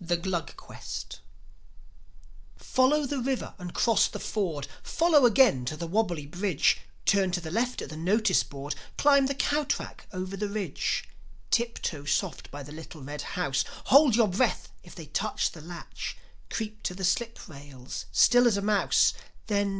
THE GLUG QUEST Follow the river and cross the ford, Follow again to the wobbly bridge, Turn to the left at the notice board, Climbing the cow track over the ridge; Tip toe soft by the little red house, Hold your breath if they touch the latch, Creep to the slip rails, still as a mouse, Then